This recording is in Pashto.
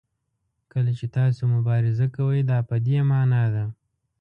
کله چې تاسو مبارزه کوئ دا په دې معنا ده.